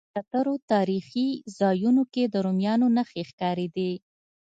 زیاترو تاریخي ځایونو کې د رومیانو نښې ښکارېدې.